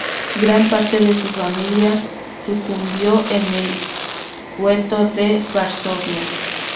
Gran parte de su familia sucumbió en el gueto de Varsovia.